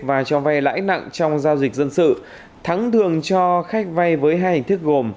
và cho vay lãi nặng trong giao dịch dân sự thắng thường cho khách vay với hai hình thức gồm